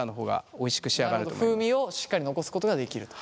風味をしっかり残すことができると。